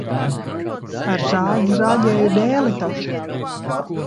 Ar zāģi zāģēju dēli taču.